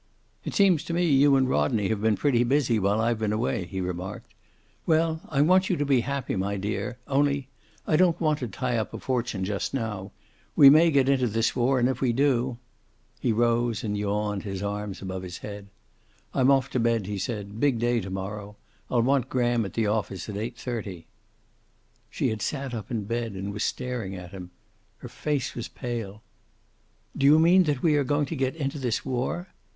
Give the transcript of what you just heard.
"It seems to me you and Rodney have been pretty busy while I've been away," he remarked. "Well, I want you to be happy, my dear. Only I don't want to tie up a fortune just now. We may get into this war, and if we do " He rose, and yawned, his arms above his head. "I'm off to bed," he said. "Big day to morrow. I'll want Graham at the office at 8:30." She had sat up in bed, and was staring at him. Her face was pale. "Do you mean that we are going to get into this war?"